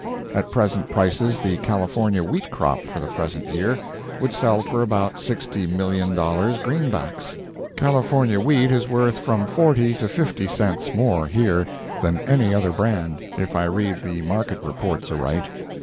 At present prices the California wheat crop for the present year would sell for about $60,000,000, greenbacks. California wheat is worth from forty to fifty cents more here, than any other brand, if I read the market reports aright.